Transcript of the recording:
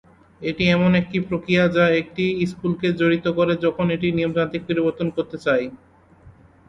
এটি এমন একটি প্রক্রিয়া যা একটি স্কুলকে জড়িত করে যখন এটি নিয়মতান্ত্রিক পরিবর্তন করতে চায়।